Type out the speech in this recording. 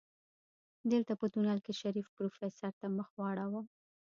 دلته په تونل کې شريف پروفيسر ته مخ واړوه.